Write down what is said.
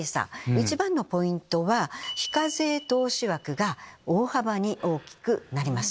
一番のポイントは非課税投資枠が大幅に大きくなります。